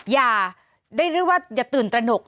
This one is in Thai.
อย่าได้เรียกว่าอย่าตื่นตระหนก